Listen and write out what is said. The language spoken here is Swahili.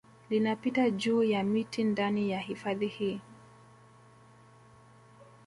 Linapita juu ya miti ndani ya hifadhi hii